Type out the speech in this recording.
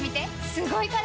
すごいから！